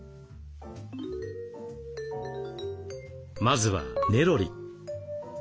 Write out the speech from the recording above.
まずはネロリ。